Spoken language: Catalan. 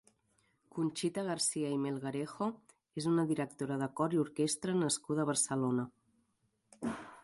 Conxita Garcia i Melgarejo és una directora de cor i orquestra nascuda a Barcelona.